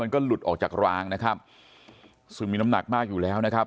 ก็หลุดออกจากรางนะครับซึ่งมีน้ำหนักมากอยู่แล้วนะครับ